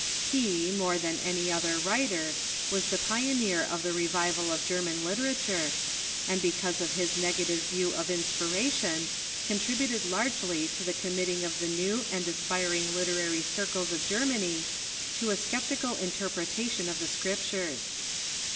He, more than any other writer, was the pioneer of the revival of German literature, and, be cause of his negative view of inspiration, contributed largely to the committing of the new and aspiring literary circles of Germany to a sceptical interpretation of the Scriptures.